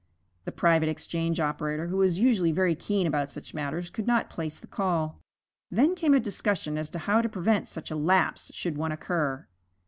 The private exchange operator, who was usually very keen about such matters, could not place the call. Then came a discussion as to how to prevent such a lapse should one occur.